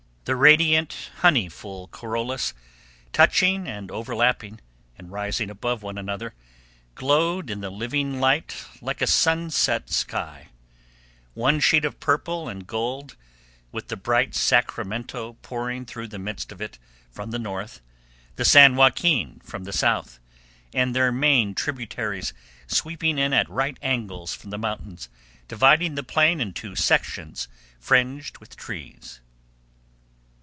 The radiant, honeyful corollas, touching and overlapping, and rising above one another, glowed in the living light like a sunset sky—one sheet of purple and gold, with the bright Sacramento pouring through the midst of it from the north, the San Joaquin from the south, and their many tributaries sweeping in at right angles from the mountains, dividing the plain into sections fringed with trees.